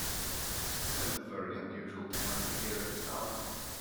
It is so very unusual to find you here at this hour.